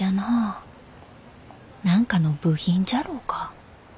何かの部品じゃろうか？